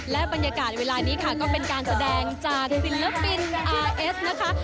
และบรรยากาศเวลานี้ค่ะก็เป็นการแสดงจากศิลปินอาร์เอสนะคะ